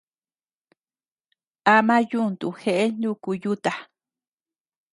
Ama yuntu jeʼe nuku yuta.